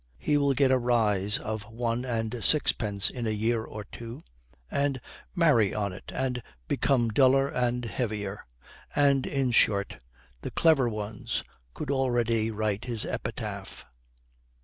He will get a rise of one and sixpence in a year or two, and marry on it and become duller and heavier; and, in short, the clever ones could already write his epitaph.